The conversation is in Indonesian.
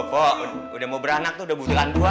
tuh pok udah mau beranak tuh udah butuhan dua